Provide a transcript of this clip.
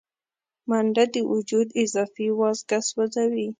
منډه د وجود اضافي وازګه سوځوي